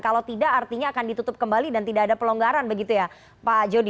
kalau tidak artinya akan ditutup kembali dan tidak ada pelonggaran begitu ya pak jody